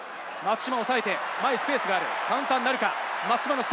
松島おさえて、前にスペースがある、カウンターなるか？